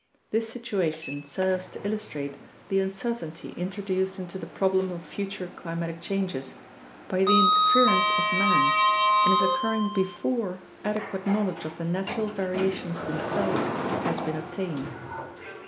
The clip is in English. This situation serves to illustrate the uncertainty introduced into the prob lem of future climatic changes by the interference of man and is occur ring before adequate knowledge of the natural variations themselves has been obtained.